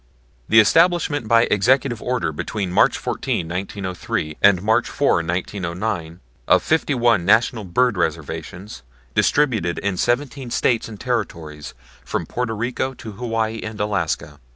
The establishment by Executive Order between March 14, 1903, and March 4, 1909, of fifty one National Bird Reservations distributed in seventeen States and Territories from Porto Rico to Hawaii and Alaska.